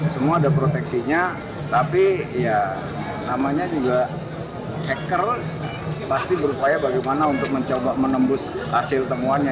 semua ada proteksinya tapi ya namanya juga hacker pasti berupaya bagaimana untuk mencoba menembus hasil temuannya